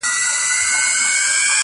• توتکیه ځان هوښیار درته ښکاریږي -